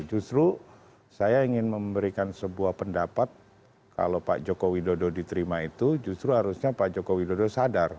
justru saya ingin memberikan sebuah pendapat kalau pak joko widodo diterima itu justru harusnya pak joko widodo sadar